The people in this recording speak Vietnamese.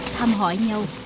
thăm hỏi nhau